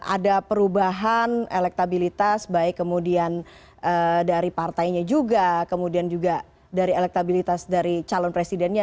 ada perubahan elektabilitas baik kemudian dari partainya juga kemudian juga dari elektabilitas dari calon presidennya